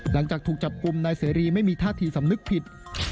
หลังจากถูกจับกลุ่มนายเสรีไม่มีท่าทีสำนึกผิด